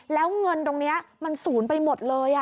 แล้วเงินตรงนี้มันศูนย์ไปหมดเลย